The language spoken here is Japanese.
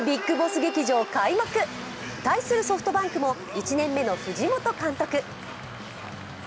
ＢＩＧＢＯＳＳ劇場開幕。対するソフトバンクも１年目の藤本監督。